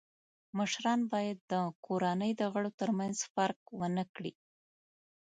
مشران باید د کورنۍ د غړو تر منځ فرق و نه کړي.